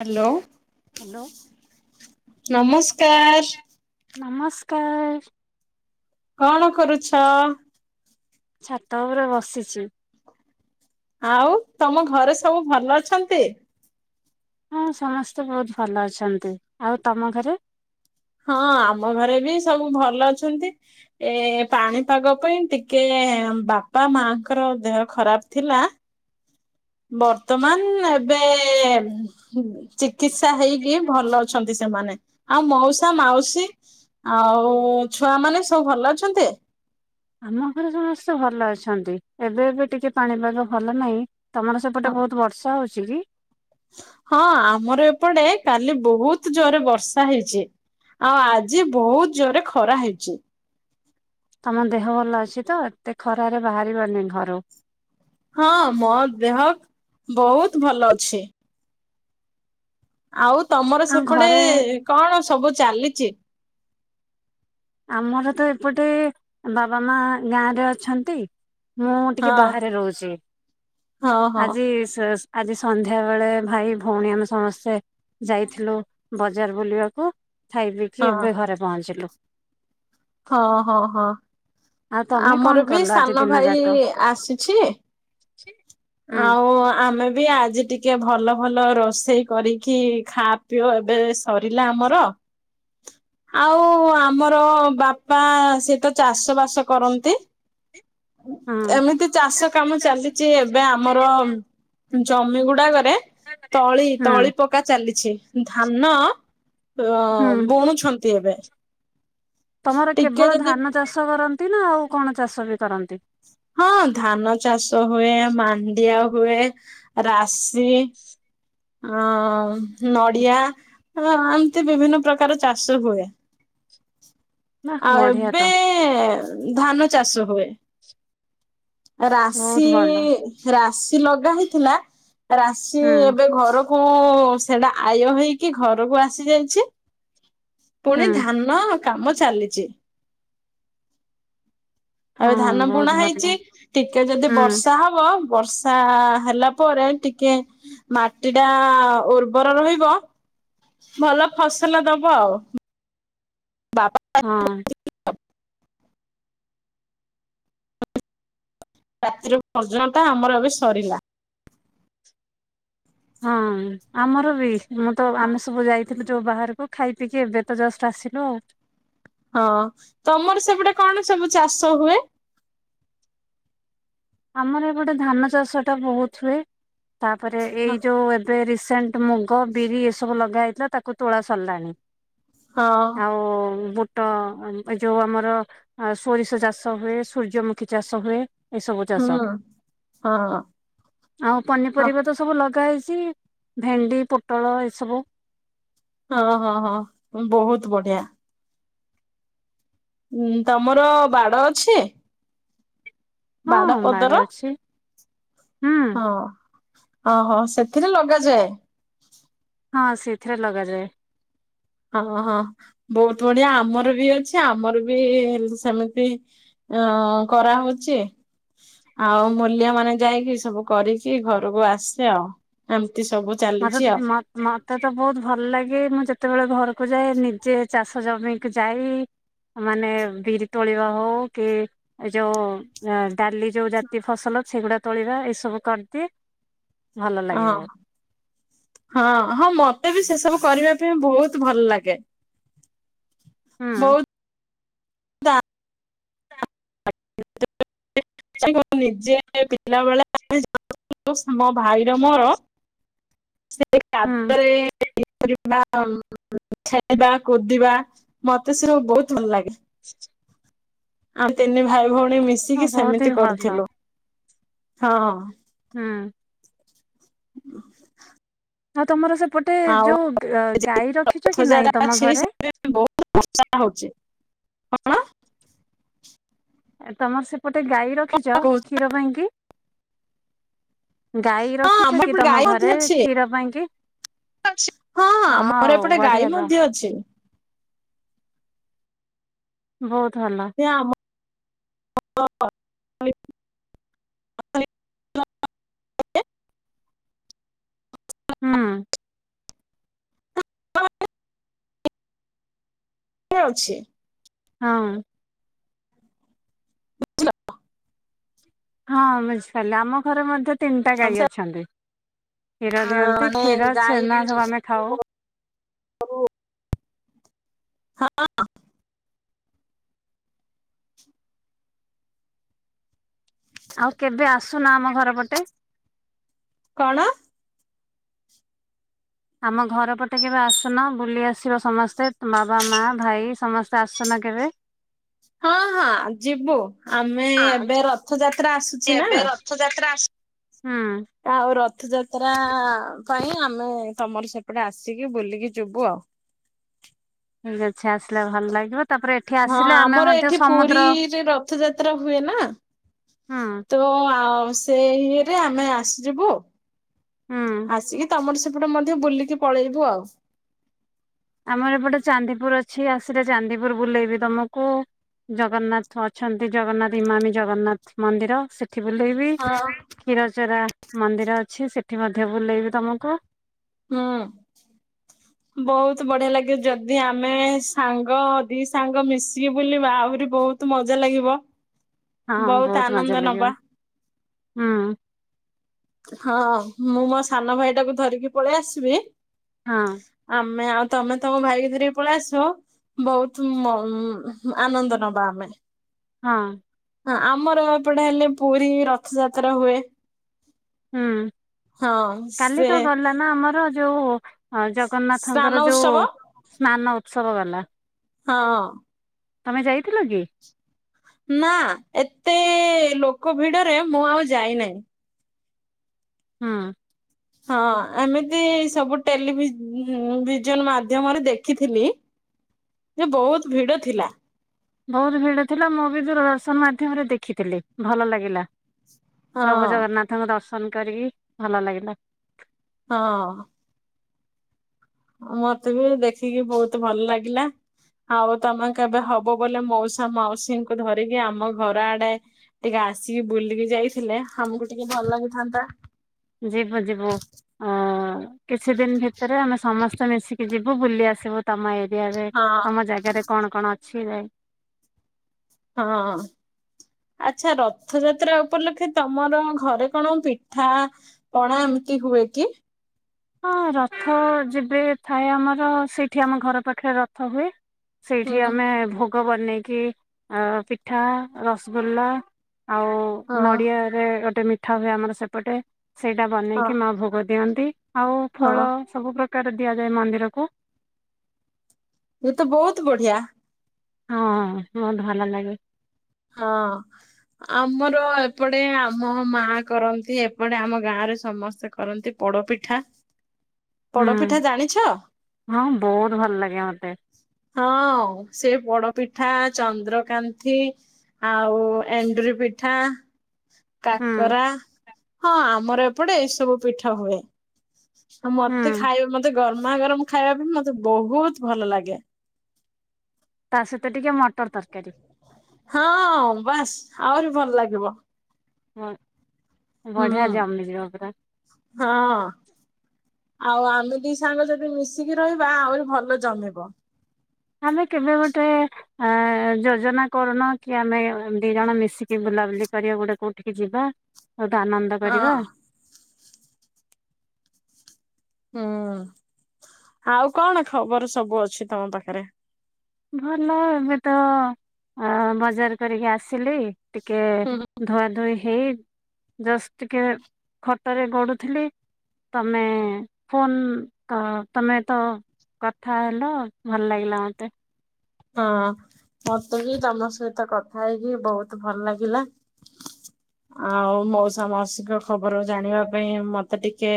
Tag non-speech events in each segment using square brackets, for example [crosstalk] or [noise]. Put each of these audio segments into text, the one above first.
Hello hello ନମସ୍କାର ନମସ୍କାର କଣ କରୁଛ? ଛାତ ଉପର ବସିଛି। ଆଉ ତମ ଘରେ ସବୁ ଭଲ ଅଛନ୍ତି? ହଁ ସମସ୍ତେ ବହୁତ ଭଲ ଅଛନ୍ତି ଆଉ ତମ ଘରେ? ହଁ ଆମ ଘରେ ବି ସବୁ ଭଲ ଅଛନ୍ତି। ଏ ପାଣିପାଗ ପାଇଁ ଟିକେ ବାପା ମାଙ୍କର ଦେହ ଖରାପ ଥିଲା। ବର୍ତ୍ତମାନ ଏବେ ଚିକିତ୍ସା ହେଇକି ଭଲ ଅଛନ୍ତି ସେମାନେ। ଆଉ ମଉସା ମାଉସୀ ଆଉ ଛୁଆ ମାନେ ସବୁ ଭଲ ଅଛନ୍ତି? ଆମ ଘରେ ସମସ୍ତେ ଭଲ ଅଛନ୍ତି। ଏବେ ଏବେ ଟିକେ ପାଣିପାଗ ଭଲ ନାହିଁ ତମର ସେପଟେ ବହୁତ ବର୍ଷା ହଉଛି କି? ହଁ ଆମର ଏପଟେ କାଲି ବହୁତ ଜୋରେ ବର୍ଷା ହେଇଛି। ଆଉ ଆଜି ବହୁତ ଜୋରେ ଖରା ହେଇଛି। ତମ ଦେହ ଭଲ ଅଛି ତ ଏତେ ଖରାରେ ବାହାରିବନି ଘରୁ। ହଁ ମୋ ଦେହ [inaudible] ବହୁତ ଭଲ ଅଛି। ଆଉ ତମର ଆଉ ସେପଟେ ଘରେ କଣ ସବୁ ଚାଲିଛି? ଆମର ତ ଏପଟେ ବାବା ମା ଗାଁରେ ଅଛନ୍ତି। ମୁଁ ଟିକେ ହଁ ବାହାରେ ରହୁଛି ହଁ [inaudible] ହଁ ଆଜି ଆଜି ସନ୍ଧ୍ୟା ବେଳେ ଭାଇ ଭଉଣୀ ଆମେ ସମସ୍ତେ ଯାଇଥିଲୁ ବଜାର ବୁଲିବାକୁ ଖାଇପିଇ କି ହଁ ଏବେ ଘରେ ପହଞ୍ଚିଲୁ। ହଁ- ହଁ- ହଁ ଆଉ ତମେ ଆମର କଣ ବି କଲ ଆଜି ସାନ ଦିନ ଭାଇ ଯାକ? ଆସିଛି। ହୁଁ ଆଉ ଆମେ ବି ଆଜି ଟିକେ ଭଲ ଭଲ ରୋଷେଇ କରିକି ଖା ପିଅ ଏବେ ସରିଲା ଆମର। ଆଉ ଆମର ବାପ ପା ସିଏ ତୋ ଚାଷ ବାସ କରନ୍ତି। ହୁଁ। ଏମିତି ଚାଷ କାମ ଚାଲିଛି ଏବେ ଆମର ଜମି ଗୁଡ଼ାକରେ ତଳି ହୁଁ ତଳି ପକ ପକା ଚାଲିଛି ଧାନ ଅଁମ୍ ହୁଁ ବୁଣୁଛନ୍ତି ଏବେ। ତମର ଟିକେ କେବଳ ଯଦି ଧାନ ଚାଷ କରନ୍ତି ନା ଆଉ କଣ ଚାଷ ବି କରନ୍ତି? ହଁ ଧାନ ଚାଷ ହୁଏ ମାଣ୍ଡିଆ ହୁଏ ରାଶି। ଆଁ ନଡ଼ିଆ ହାଁ ଏମତି ବିଭିନ୍ନ ପ୍ରକାର ଚାଷ ହୁଏ। ବାଃ ଆଉ ବଢିଆ ଏବେ ତ ଧାନ ଚାଷ ହୁଏ। ରାଶି ବହୁତ ଭଲ ରାଶି ଲଗା ହେଇଥିଲା ରାଶି ହୁଁ ଏବେ ଘର ହଁଅ ସେଟା ଆୟ ହେଇକି ଘରକୁ ଆସି ଯାଇଛି। ପୁଣି ହୁଁ ଧାନ କାମ ଚାଲିଛି। ହଁ ଏବେ ଧାନ ବହୁତ ବୁଣା ଭଲ ହେଉଛି ଟିକେ ଯଦି ହୁଁ ବର୍ଷା ହବ ବର୍ଷା ହେଲା ପରେ ଟିକେ ମାଟି ଟା ଉର୍ବର ରହିବ। ଭଲ ଫସଲ ଦେବ ଆଉ ବାପା ହଁ ରାତ୍ରି [unintelligible] ଆମର ଏବେ ସରିଲା। ହଁ ଆମର ବି ମୁଁ ତ ଆମେ ସବୁ ଯାଇଥିଲୁ ଚୁ ବାହାରକୁ ଖାଇ ପିଇକି ଏବେ ତ ଜଷ୍ଟ ଆସିଲୁ ଆଉ। ହଁ ତମର ସେପଟେ କଣ ସବୁ ଚାଷ ହୁଏ? ଆମର ଏପଟେ ଧାନ ଚାଷ ଟା ବହୁତ ହୁଏ, ତାପରେ ଏଇ ଯୋଉ ଏବେ ରିସେଣ୍ଟ ମୁଗ, ବିରି ଏସବୁ ଲଗା ହୋଇଥିଲା ତାକୁ ତୋଳା ସରିଲାଣି। ହଁ ଆଉ ବୁଟ୍ ହଁ ଏ ଯୋଉ ଆମର ସୋରିଷ ଚାଷ ହୁଏ, ସୂର୍ଯ୍ୟମୁଖୀ ଚାଷ ହୁଏ ଏସବୁ ଚାଷ ହୁଁ ହଁ। ଆଉ ପନିପରିବା ତ ସବୁ ଲଗା ହେଇଚି ଭେଣ୍ଡି, ପୋଟଳ ଏସବୁ ହଁ ହଁ ହଁ ବହୁତ ବଢିଆ। ଉଁ ତମର ବାଡ଼ ଅଛି? ବାଡ ହଁ ପଦର ବାଡ଼ ଅଛି। ହୁଁ। ଓ ଓହୋ ସେଥିରେ ଲଗାଯାଏ? ହଁ ସେଥିରେ ଲଗାଯାଏ। ହଁ ହଁ ବହୁତ ବଢିଆ ଆମର ବି ଅଛି ଆମର ବି ଏମି ସେମିତି ହଁ କରାହଉଚି। ଆଉ ମୂଲିଆ ମାନେ ଯାଇକି ସବୁ କରିକି ଘରକୁ ଆସେ ଆଉ ଏମତି ସବୁ ଚାଲିଛି ଆଉ [unintelligible] ମତେ ତ ବହୁତ ଭଲ ଲାଗେ। ମୁଁ ଯେତେବେଳ ଘରକୁ ଯାଏ ନିଜେ ଚାଷ ଜମିକୁ ଯାଇ ମାନେ ବିରି ତୋଳିବା ହଉ କି ଏ ଜଉ ଆ ଡ଼ାଲି ଯୋଉ ଜାତୀୟ ଫସଲ ସେଗୁଡ଼ା ତୋଳିବା ଏସବୁ କରିଦିଏ। ଭଲ ହଁ ଲାଗେ ବହୁତ। ହଁ। ହଁ ମତେ ବି ସେଇ ସବୁ କରିବା ପାଇଁ ବହୁତ ଭଲ ଲାଗେ। ହୁଁ ବହୁତ [unintelligible] [unintelligible] ମ ଭାଇର ମୋର ସେ ହୁଁ [unintelligible] ଖେଳିବା କୋଦିବା ମତେ ସ ର ବହୁତ ଭଲ ଲାଗେ। [unintelligible] ଆମ ତିନି ଭାଇ ଭଉଣୀ ହଁ ମିଶିକି ବହୁତ ସେମିତି ହିଁ ଭଲ କରୁଥିଲୁ। ହଁ। ହୁଁ। ଆଉ ତମର ସେପଟେ ଆଉ ଯୋଉ ଗ ଏ ଗାଈ ରଖିଚ କି ନାଇଁ ରଥଯାତ୍ରା ତମ ଅଛି ଘରେ? ସେଥିରେ ବହୁତ [unintelligible] ହଉଚି। କଣ? ଆ ତମର ସେପଟେ ଗାଈ ରଖିଚ କହୁଛୁ କ୍ଷୀର ପାଇଁ କି? ଗାଈ ହଁ ରଖିଚ ଆମର କି ଏପଟେ ତମ ଗାଈ ମଧ୍ୟ ଘରେ ଅଛି କ୍ଷୀର ପାଇଁ କି? ହଁ ଆମର ଆଉ ଏପଟେ ବଢିଆ ଗାଈ ତ। ମଧ୍ୟ ଅଛି। ବହୁତ ଭଲ। ଏ ଆମ [unintelligible] ହୁଁ। କିଏ ଅଛି? ହଁ। ହଁ ବୁଝିପାରିଲେ ଆମ ଘରେ ମଧ୍ୟ ତିନିଟା ଗାଈ ଆମ ଅଛନ୍ତି। କ୍ଷୀର ଦିଅନ୍ତି ମାନେ କ୍ଷୀର ଗାଈ ଛେନା ସବୁ ଆମେ ଖାଉ। ହଁ ଅ। ଆଉ କେବେ ଆସୁନ ଆମ ଘର ପଟେ। କଣ? ଆମ ଘର ପଟେ କେବେ ଆସୁନ ବୁଲି ଆସିବ ସମସ୍ତେ ବାବା ମା ଭାଇ ସମସ୍ତେ। ଆସୁନା କେବେ? ହଁ ହଁ ଯିବୁ ଆମେ ଏବେ ରଥଯାତ୍ରା ଆସୁଛି ନା। ଯାତ୍ରା ଆସ ହୁଁ ଆଉ ରଥଯାତ୍ରା ପାଇଁ ଆମେ ତମର ସେପଟେ ଆସିକି ବୁଲିକି ଯିବୁ ଆଉ। ଠିକ୍ ଅଛି ଆସିଲା ଭଲ ଲାଗିବ ତାପରେ ଏଠି ହଁ ଆସିଲେ ଆମେ ଆମର ମଧ୍ୟ ଏଠି ସମୁଦ୍ର ପୁରୀରେ ରଥଯାତ୍ରା ହୁଏ ନା ହୁଁ ତ ଆ ସେ ଇଏରେ ଆମେ ଆସିଯିବୁ। ହୁଁ ଆସିକି ତମର ସେପଟେ ମଧ୍ୟ ବୁଲିକି ପଳେଇବୁ ଆଉ ଆମର ଏପଟେ ଚାନ୍ଦିପୁର ଅଛି ଆସିଲେ ଚାନ୍ଦିପୁର ବୁଲେଇବି ତୁମକୁ ଜଗନ୍ନାଥ ଅଛନ୍ତି ଜଗନ୍ନାଥ ଇମାମି ଜଗନ୍ନାଥ ମନ୍ଦିର ସେ ଏଠି ବୁଲେଇବି ହଁ କ୍ଷୀରଚୋରା ମନ୍ଦିର ଅଛି ସେଠି ମଧ୍ୟ ବୁଲେଇବି ତମକୁ। ହୁଁ ବହୁତ ବଢିଆ ଲାଗେ ଯଦି ଆମେ ସାଙ୍ଗ ଦି ସାଙ୍ଗ ମିଶିକି ବୁଲିବା ଆହୁରି ବହୁତ। ତୁ ମଜା ଲାଗିବ। ହଁ ବହୁତ ମଜା ଆନନ୍ଦ ଲାଗିବ ନବା ହୁଁ। ହଁ ମୁଁ ମୋ ସାନ ଭାଇ ଟାକୁ ଧରିକି ପଳେଇ ଆସିବି। ହଁ ଆମେ ଆଉ ତମେ ତମ ଭାଇକ ଧରିକି ପଳେଇ ଆସିବ। ବହୁତ ଆନନ୍ଦ ନବା ଆମେ। ହଁ ହ ଆମର ଏପଟେ ହେଲେ ପୁରୀ ରଥଯାତ୍ରା ହୁଏ। ହୁଁ ହଁ କାଲି ସେ ତ ଗଲ ନା ଆମର ଯୋଉ ହଁ ସ୍ନାନ ଜଗନ୍ନାଥଙ୍କର ଯୋଉ ଉତ୍ସବ ସ୍ନାନ ଉତ୍ସବ ଗଲା। ହଁ ତମେ ଯାଇଥିଲ କି? ନା ଏତେ ଲୋକ ଭିଡରେ ମୁଁ ଆଉ ଯାଇନାହିଁ। ହଁ ହଁ ଆମିତି ସବୁ ଟେଲିଭି ଭିଜନ ମାଧ୍ୟମରେ ଦେଖିଥିଲି। ସେ ବହୁତ ଭିଡ ଥିଲା। ବହୁତ ଭିଡ଼ ଥିଲା ମୁଁ ବି ଦୂରଦର୍ଶନ ମାଧ୍ୟମରେ ଦେଖିଥିଲି ଭଲ ଲାଗିଲା। ହଁ ପ୍ରଭୁ ଜଗନ୍ନାଥଙ୍କ ଦର୍ଶନ କରିକି ଭଲ ଲାଗିଲା। ହଁ ମତେ ବି ଦେଖିକି ବହୁତ ଭଲ ଲାଗିଲା। ଆଉ ତମେ କେବେ ହବ ବଲେ ମଉସା ମାଉସୀଙ୍କୁ ଧରିକି ଆମ ଘର ଆଡେ ଟିକେ ଆସିକି ବୁଲିକି ଯାଇଥିଲେ ଆମକୁ ଟିକେ ଭଲ ଲାଗିଥାନ୍ତା। ଯିବୁ ଯିବୁ ଆ କିଛି ଦିନ ଭିତରେ ଆମେ ସମସ୍ତେ ମିଶିକି ଯିବୁ ବୁଲି ଆସିବୁ ତମ ଏରିଆରେ ହଁ ତମ ଜାଗାରେ କଣ କଣ ଅଛି ଯାଇ ହଁ ଆଚ୍ଛା ରଥଯାତ୍ରା ଉପଲକ୍ଷେ ତମର ଘରେ କଣ ପିଠା ପଣା ଏମିତି ହୁଏ କି ହଁ ରଥ ଯେବେ ଥାଏ ଆମର ସେଇଠି ଆମ ଘର ପାଖରେ ରଥ ହୁଏ। ହୁଁ ସେଇଠି ଆମେ ଭୋଗ ବନେଇକି ଅ ପିଠା ରସଗୋଲ୍ଲା ଆଉ ହଁ ନଡ଼ିଆ। ରେ ଗୋଟେ ମିଠା ହୁଏ ଆମର ସେପଟେ ସେଇଟା ହଁ ବନେଇକି ମା ଭୋଗ ଦିଅନ୍ତି। ଆଉ ହଁ ଫଳ ସବୁ ପ୍ରକାର ଦିଆଯାଏ ମନ୍ଦିରକୁ। ଏ ତ ବହୁତ ବଢିଆ। ହଁ ବହୁତ ଭଲ ଲାଗେ। ହଁ। ଆମର ଏପଟେ ଆମ ମା କରନ୍ତି ଏପଟେ ଆମ ଗାଁରେ ସମସ୍ତେ କରନ୍ତି। ପୋଡ଼ପିଠା। ହୁଁ ହଁ ବହୁତ ଭଲ ଲାଗେ ମତେ। ହଁ ସେ ପୋଡ ପିଠା ଚନ୍ଦ୍ରକାନ୍ନ୍ତିି। ଆଉ ଏଣ୍ଡୁରି ପିଠା ହୁଁ କାକରା ହଁ ଆମର ଏପ୍ ପଡେ ଏ ସବୁ ପିଠା ହୁଏ। ଆଉ ମତେ ହୁଁ। ଖାଇବେ ମତେ ଗରମା ଗରମ ଖାଇବା ବି ମତେ ବହୁତ ଭଲ ଲାଗେ। ତା ସହିତ ଟିକେ ମଟର ତରକାରୀ। ହଁ ବାସ୍ ଆହୁରି ଭଲ ଲାଗିବ। ହଁ ହୁଁ ବଢ଼ିଆ ଜମି ଜିବ ପୁରା। ହଁ। ଆଉ ଆମେ ଦି ସାଙ୍ଗ ଯଦି ମିଶିକି ରହିବା ଆହୁରି ଭଲ ଜମିବ। ଆମେ କେବେ ଗୋଟେ ଆ ଯୋଜନା କରୁନ କି ଆମେ ଦି ଜଣ ମିଶିକି ବୁଲାବୁଲି କରିବା ଗୋଟେ କଉଠିକି ଯିବା। ବହୁତ୍ ଆନନ୍ଦ ହଁ। କରିବା। ହୁଁ ଆଉ କଣ ଖବର ସବୁ ଅଛି ତମ ପାଖରେ? ଭଲ ଏବେ ତ ଅ ବଜାର କରିକି ଆସିଲି। ଟିକେ ହୁଁ, ଧୁଆ ଧୁଇ ହେଇ ଜଷ୍ଟ ଟିକେ ଖଟରେ ଗଡୁଥିଲି। ତମେ ଫୋନ ତ ତମେ ତ କଥା ହେଲ ଭଲ ଲାଗିଲା ମତେ। ହଁ ମତେ ବି ତମ ସହିତ କଥା ହେଇକି ବହୁତ ଭଲ ଲାଗିଲା। ଆଉ ମଉସା ମାସିକ ଖବର ଜାଣିବା ପାଇଁ ମତେ ଟିକେ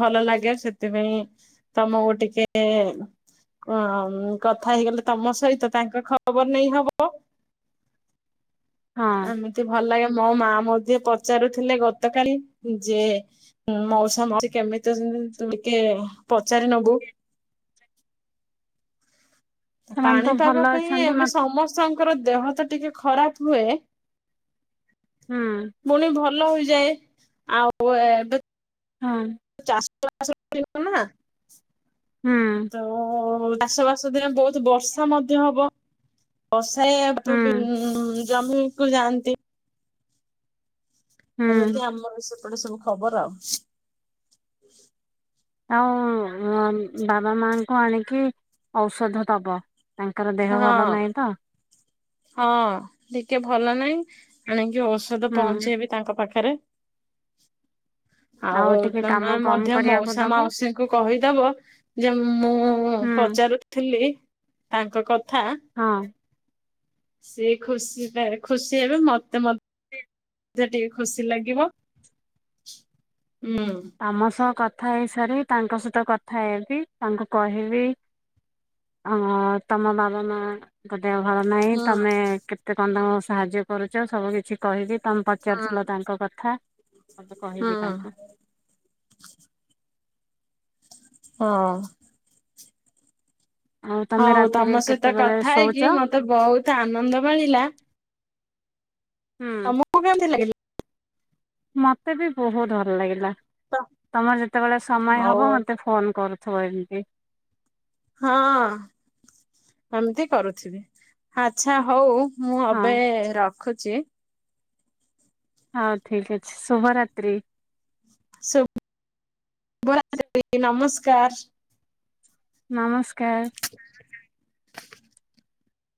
ଭଲ ଲାଗେ ସେ ସେଥିପାଇଁ ତମକୁ ଟିକେ ଅ କଥା ହେଇଗଲେ ତମ ସହିତ ତାଙ୍କ ଖବର ନେଇ ହବ। ହଁ ଏମିତି ଭଲ ଲାଗେ ମୋ ମା ମଧ୍ୟ ପଚାରୁଥିଲେ ଗତକାଲି ଯେ ମଉସା ମାଉସୀ କେମିତି ଅଛନ୍ତି ତୁ ଟିକେ ପଚାରିନେବୁ। ସେମାନେ ତ ପାଣିପାଗ ଭଲ ପାଇଁ ଅଛନ୍ତି ଏବେ ମତେ ସମସ୍ତଙ୍କର ଦେହ ତ ଟିକେ ଖରାପ ହୁଏ। ହୁଁ। ପୁଣି ଭଲ ହୋଇଯାଏ। ଆଉ ଏବେ ହଁ। [inaudible] ନା ହୁଁ। ତ ଚାଷ ବାସ ଦିନେ ବହୁତ ବର୍ଷା ମଧ୍ୟ ହବ। ବର୍ଷାରେ ହୁଁ [unintelligible] [inaudible] ଜମିକୁୁ ଯାଆନ୍ତି। ହୁଁ। ଏମିତି ଆମର ସେପଟେ ସବୁ ଖବର ଆଉ। ଆଉ ବାବା ମାଆଙ୍କୁ ଆଣିକି ଔଷଧ ଦବ। ତାଙ୍କର ଦେହ ଭଲ ହଁ ନାହିଁ ତ। ହଁ ଟିକେ ଭଲ ନାହିଁ। ଆଣିକି ଔଷଧ ହୁଁ ପହଞ୍ଚେଇବି ତାଙ୍କ ପାଖରେ। ଆଉ ଟିକେ ତମେ କାମ କମ ମଧ୍ୟ କରିବାକୁ ମାଉସା ଦବ ମାଉସୀଙ୍କୁ କହିଦବ ଯେ ମୁଁ ହୁଁ ପଚାରୁଥିଲି ତାଙ୍କ କଥା। ହଁ। ସିଏ ଖୁସି ଖୁସି ହେବେ। ମତେ ମ ଧ୍ୟ ଟିକେ ଖୁସି ଲାଗିବ। ତମ ସହ କଥା ହେଇସାରି ତାଙ୍କ ସହିତ କଥା ହେବି। ତାଙ୍କୁ କହିବି ଓ ହଁ ତମ ବାବା ମା ଦେହ ଭଲ ନାହିଁ। ହଁ। ତମେ କେତେ କଣ ତାଙ୍କୁ ସାହାଯ୍ୟ କରୁଚ। ସବୁ କିଛି କହିବି। ତମେ ହଁ ପଚାରୁଥିଲ ତାଙ୍କ କଥା, ସବୁ ହଁ କହିବି ତାଙ୍କୁ। ହଁ। ଆଉ ତମେ ହଉ ରାତିରେ ତମ ସହିତ କେତେବେଳେ କଥା ଶୋଉଛ ହେଇକି ମତେ ବହୁତ ଆନନ୍ଦ ମିଳିଲା। ହୁଁ। [unintelligible] ମୋତେ ବି ବହୁତ୍ ଭଲ ଲାଗିଲା। ତ ତମର ଯେତେବେଳେ ସମୟ ହଉ ହବ ମତେ ଫୋନ୍ କରୁଥିବ ଏମତି। ହଁ ଏମତି କରୁଥିବି। ଆଚ୍ଛା ହଉ ମୁଁ ହଁ ଏବେ ରଖୁଚି। ହଁ ଠିକ୍ ଅଛି ଶୁଭରାତ୍ରି। ଶୁଭ୍ ଶୁଭରାତ୍ରି ନମସ୍କାର। ନମସ୍କାର। [unintelligible]